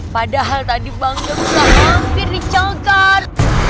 padahal tadi bangdang itu hampir dicongkar